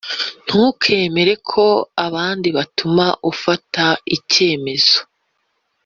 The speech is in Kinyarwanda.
Ntukemere ko abandi batuma ufata icyemezo